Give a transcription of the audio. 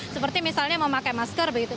seperti misalnya memakai masker begitu